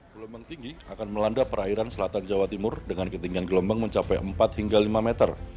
gelombang tinggi akan melanda perairan selatan jawa timur dengan ketinggian gelombang mencapai empat hingga lima meter